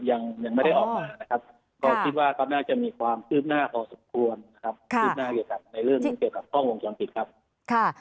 ก็คิดว่าก็น่าจะมีความอืบหน้าพอสมควรนะครับอืบหน้าเกี่ยวกับในเรื่องเกี่ยวกับกล้องวงจรผิดครับ